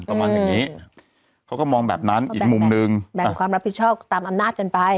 ประมาณอย่างนี้เขาก็มองแบบนั้นอีกมุมหนึ่งแบ่งความรับผิดชอบตามอำนาจกันไป